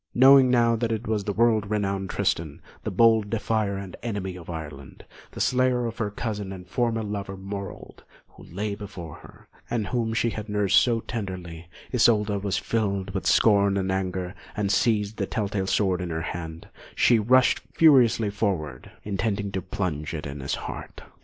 Knowing now that it was the world renowned Tristan, the bold defier and enemy of Ireland, the slayer of her cousin and former lover, Morold, who lay before her, and whom she had nursed so tenderly, Isolda was filled with scorn and anger; and seizing the tell tale sword in her hand, she rushed furiously forward, intending to plunge it in his heart.